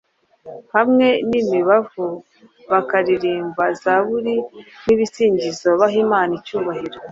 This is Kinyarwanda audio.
hamwe n‟imibavu, bakaririmba Zaburi n‟ibisingizo baha Imana icyubahiro.